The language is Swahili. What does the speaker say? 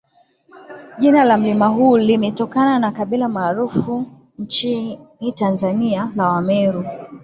jina la mlima huu limetokana na kabila maarufu nchini Tanzania la Wameru